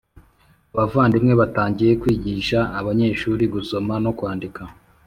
Abavandimwe batangiye kwigisha abanyeshuri gusoma no kwandika